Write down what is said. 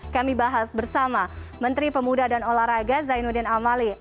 kami bahas bersama menteri pemuda dan olahraga zainuddin amali